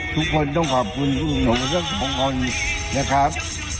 ทุกคนต้องขอบคุณทุกคนนะครับ